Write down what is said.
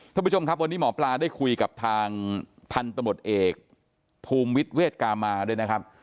ท่านผู้ชมครับวันนี้หมอปลาได้คุยกับทางพันธมตเอกภูมิวิทย์เวทกามาด้วยนะครับ